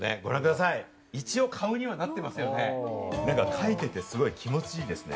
描いてて気持ちいいですね。